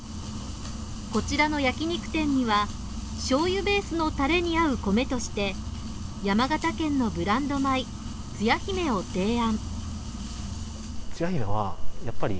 こちらの焼き肉店にはしょうゆベースのタレに合う米として山形県のブランド米つや姫を提案。